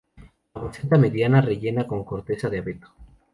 La maceta mediana rellena con corteza de abeto.